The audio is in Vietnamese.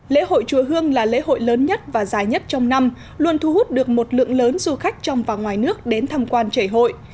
lễ hội chùa hương là lễ hội lớn nhất và dài nhất trong năm luôn thu hút được một lượng lớn du khách trong và ngoài nước đến tham quan chảy hội